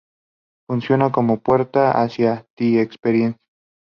Funcionaba como puerta hacia "The Experience".